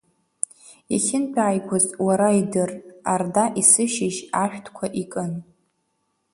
Иахьынтәааигоз уара идыр Арда есышьыжь ашәҭқәа икын.